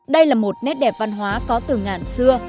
đây là một nét đẹp văn hóa có từ ngàn xưa